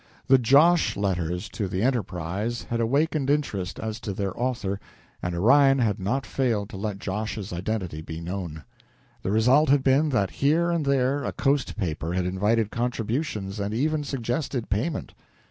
The "Josh" letters to the "Enterprise" had awakened interest as to their author, and Orion had not failed to let "Josh's" identity be known. The result had been that here and there a coast paper had invited contributions and even suggested payment.